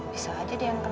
bisa aja dia yang kenal